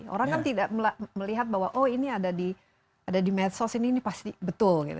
orang kan tidak melihat bahwa oh ini ada di medsos ini pasti betul gitu